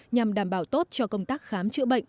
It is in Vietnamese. nhằm đảm bảo tốt cho công tác khám chữa bệnh